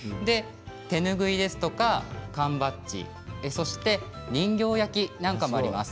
手拭いですとか缶バッジ、人形焼きなんかもあります。